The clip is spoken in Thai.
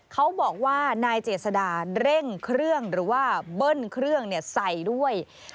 เขาบอกว่านายเจษดาเร่งเครื่องหรือว่าเบิ้ลเครื่องใส่ด้วย